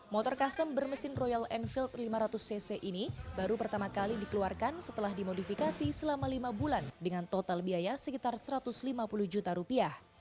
motor custom bermesin royal enfield lima ratus cc ini baru pertama kali dikeluarkan setelah dimodifikasi selama lima bulan dengan total biaya sekitar satu ratus lima puluh juta rupiah